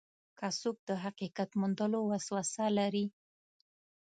که څوک د حقیقت موندلو وسوسه لري.